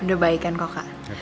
udah baik kan kak